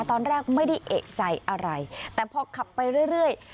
ตอนแรกไม่ได้เอกใจอะไรแต่พอขับไปเรื่อย